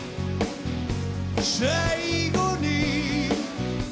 「最後に」